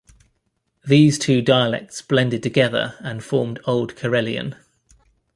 These two dialects blended together and formed Old Karelian.